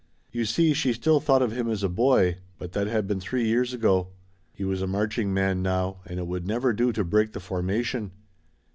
You see she still thought of him as a boy, but that had been three years ago. He was a marching man now and it would never do to break the formation.